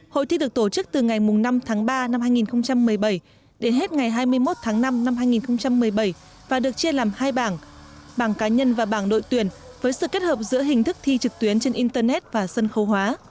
hội thi được tổ chức từ ngày năm tháng ba năm hai nghìn một mươi bảy đến hết ngày hai mươi một tháng năm năm hai nghìn một mươi bảy và được chia làm hai bảng bảng cá nhân và bảng đội tuyển với sự kết hợp giữa hình thức thi trực tuyến trên internet và sân khấu hóa